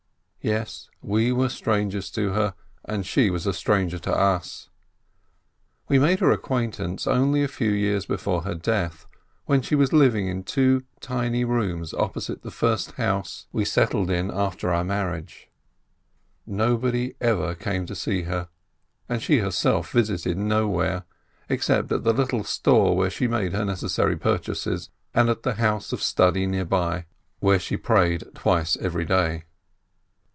Yes, we were strangers to her, and she was a stranger to us ! We made her acquaintance only a few years before her death, when she was living in two tiny rooms opposite the first house we settled in after our mar riage. Nobody ever came to see her, and she herself visited nowhere, except at the little store where she made her necessary purchases, and at the house of study near by, where she prayed twice every day.